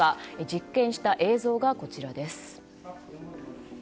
実験した映像がこちらです。